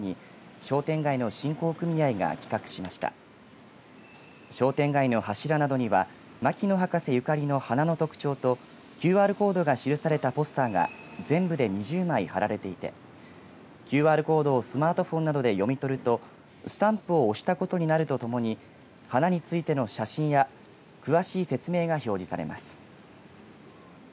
商店街の柱などには牧野博士ゆかりの花の特徴とＱＲコードが記されたポスターが全部で２０枚貼られていてＱＲコードをスマートフォンなどで読み取るとスタンプを押したことになるとともに花についての写真や詳しい説明が表示されます。